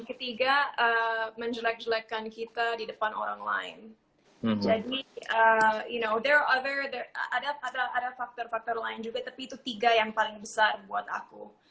ketiga menjelek jelekkan kita di depan orang lain jadi i know thir over ada faktor faktor lain juga tapi itu tiga yang paling besar buat aku